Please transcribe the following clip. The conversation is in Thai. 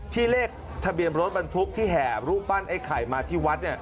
เลขทะเบียนรถบรรทุกที่แห่รูปปั้นไอ้ไข่มาที่วัด